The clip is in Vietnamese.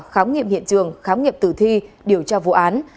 khám nghiệm hiện trường khám nghiệm tử thi điều tra vụ án